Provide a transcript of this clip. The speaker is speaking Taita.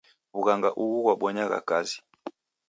W'ughanga ughu ghwabonyagha kazi.